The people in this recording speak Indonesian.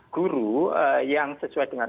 guru yang sesuai dengan